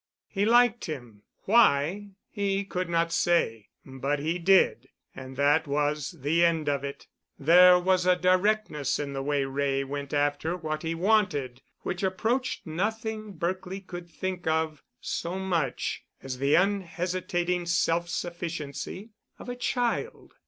He liked him—why, he could not say—but he did—and that was the end of it. There was a directness in the way Wray went after what he wanted which approached nothing Berkely could think of so much as the unhesitating self sufficiency of a child.